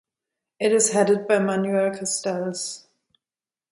It is headed by Manuel Castells.